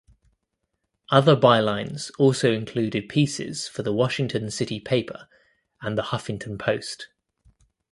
Other bylines also included pieces for the Washington City Paper and the Huffington Post.